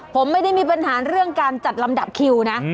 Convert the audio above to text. ผมไม่ได้มีปัญหาเรื่องการจัดลำดับคิวนะ